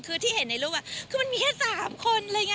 คือที่เห็นในรูปคือมันมีแค่๓คน